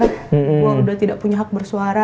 wah udah tidak punya hak bersuara